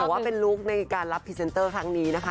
ว่าเป็นลุคในการรับพรีเซนเตอร์ครั้งนี้นะคะ